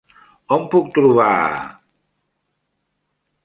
On puc trobar...?